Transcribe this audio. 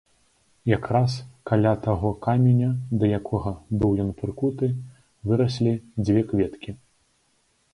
Якраз каля таго каменя, да якога быў ён прыкуты, выраслі дзве кветкі.